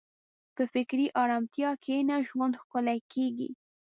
په فکري ارامتیا کښېنه، ژوند ښکلی کېږي.